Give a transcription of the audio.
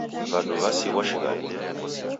Vadu vasighwa shighadi